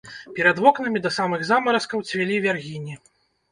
Перад вокнамі да самых замаразкаў цвілі вяргіні.